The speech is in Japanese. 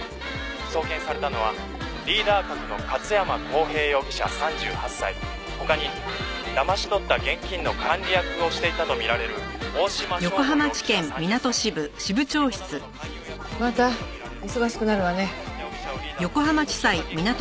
「送検されたのはリーダー格の勝山康平容疑者３８歳」「他にだまし取った現金の管理役をしていたとみられる大島省吾容疑者３０歳」また忙しくなるわね。